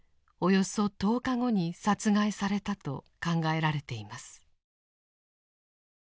およそ１０日後に殺害されたと考えられています。